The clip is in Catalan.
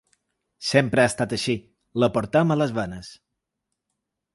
Sempre ha estat així, la portem a les venes.